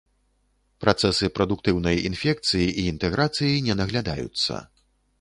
Працэсы прадуктыўнай інфекцыі і інтэграцыі не наглядаюцца.